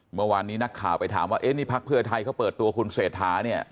เมื่อวานนี้นักข่าวไปถามว่าเอ๊ะนี่พักเพื่อไทยเขาเปิดตัวคุณเศรษฐาเนี่ย